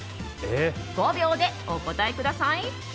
５秒でお答えください。